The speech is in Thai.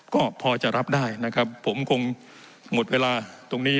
ก็พอจะรับได้นะครับผมคงหมดเวลาตรงนี้